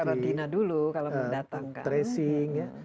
karantina dulu kalau mendatangkan